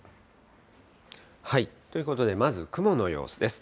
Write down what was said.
ということでまず、雲の様子です。